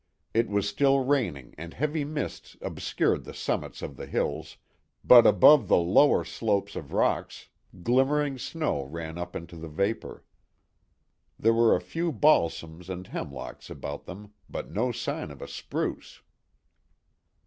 It was still raining and heavy mists obscured the summits of the hills, but above the lower slopes of rocks glimmering snow ran up into the vapour. There were a few balsams and hemlocks about them, but no sign of a spruce.